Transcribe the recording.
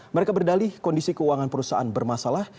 mereka berdalih kondisi keuangan perusahaan bermasalah